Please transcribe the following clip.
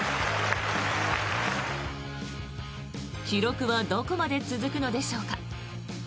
記録はどこまで続くのでしょうか。